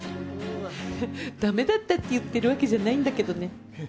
だめだったって言ってるわけじゃないんだけどね。